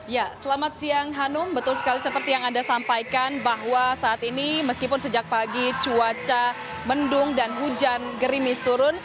ya selamat siang hanum betul sekali seperti yang anda sampaikan bahwa saat ini meskipun sejak pagi cuaca mendung dan hujan gerimis turun